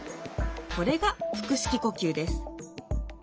これが腹式呼吸です。